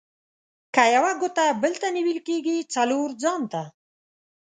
که یوه ګوته بل ته نيول کېږي؛ :څلور ځان ته.